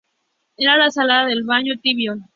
Era la sala del baño tibio.